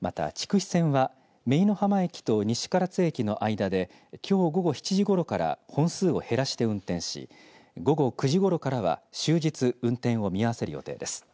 また筑肥線は姪浜駅と西唐津駅の間できょう午後７時ごろから本数を減らして運転し午後９時ごろからは終日運転を見合わせる予定です。